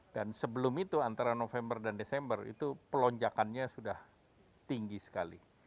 dan sebelum itu antara november dan desember itu pelonjakannya sudah tinggi sekali